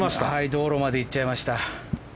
道路まで行っちゃいました。